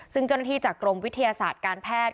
ซึ่งเจ้าหน้าที่จากกรมวิทยาศาสตร์การแพทย์